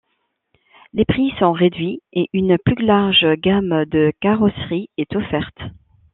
Les prix sont réduits et une plus large gamme de carrosseries est offerte.